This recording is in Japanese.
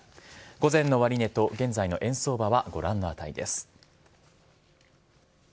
午前の終値と現在の円相場はご覧の値です。